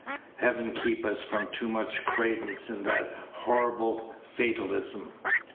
Heaven keep us from too much credence in that horrible fatalism!